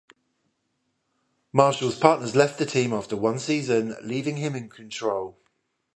Marshall's partners left the team after one season, leaving him in control.